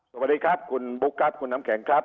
สวัสดีครับคุณบุ๊คครับคุณน้ำแข็งครับ